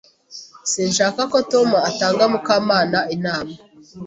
Sinshaka ko Tom atanga Mukamana inama.